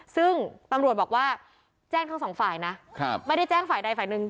ซึ่งตำรวจบอกว่าแจ้งทั้งสองฝ่ายนะไม่ได้แจ้งฝ่ายใดฝ่ายหนึ่ง